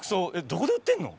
どこで売ってるの？